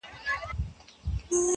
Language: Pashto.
په غیرت مو لاندي کړي وه ملکونه!!